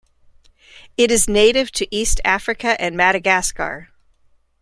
It is native to East Africa and Madagascar.